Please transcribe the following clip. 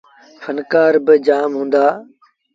ڦنڪآر با جآم هُݩدآ۔